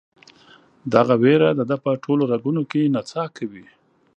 دغه ویر د ده په ټولو رګونو کې نڅا کوي.